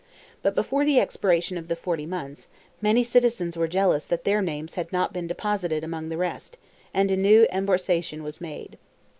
But, before the expiration of the forty months, many citizens were jealous that their names had not been deposited among the rest, and a new emborsation was made.